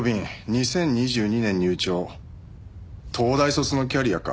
２０２２年入庁東大卒のキャリアか。